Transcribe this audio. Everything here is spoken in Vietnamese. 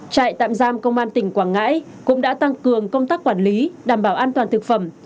trại tạm giam công an tỉnh quảng ngãi cũng đã tăng cường công tác quản lý đảm bảo an toàn thực phẩm